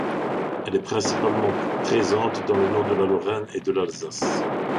Elle est principalement présente dans le nord de la Lorraine et de l'Alsace.